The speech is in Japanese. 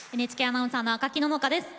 ＮＨＫアナウンサーの赤木野々花です。